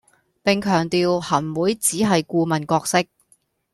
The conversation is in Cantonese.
並強調行會只係顧問角色